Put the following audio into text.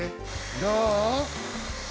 どう？